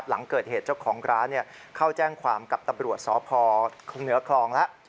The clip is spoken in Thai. หลังเกิดเหตุเจ้าของร้านเข้าแจ้งความกับตำรวจสพเหนือคลองแล้ว